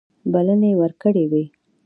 بلنې ورکړي وې.